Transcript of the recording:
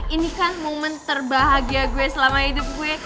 ini kan momen terbahagia gue selama hidup gue